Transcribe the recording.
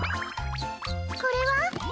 これは？